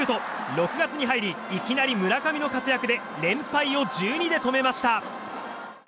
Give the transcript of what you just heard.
６月に入りいきなり村上の活躍で連敗を１２で止めました。